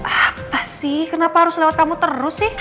apa sih kenapa harus lewat kamu terus sih